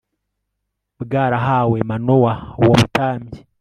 bwarahawe Manowa Uwo mutambyi